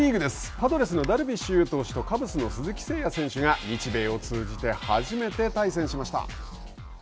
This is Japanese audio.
パドレスのダルビッシュ有投手とカブスの鈴木誠也選手が日米を通じて初めて対戦しました。